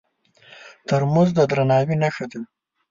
ترموز د درناوي نښه ده.